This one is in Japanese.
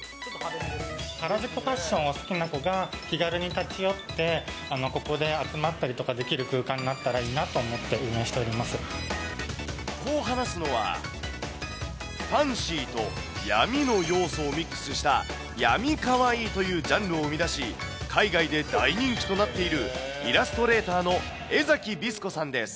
原宿ファッションを好きな子が、気軽に立ち寄って、ここで集まったりとかできる空間になったらいいなと思って、こう話すのは、ファンシーと病みの要素をミックスした、病みかわいいというジャンルを生み出し、海外で大人気となっている、イラストレーターの江崎びす子さんです。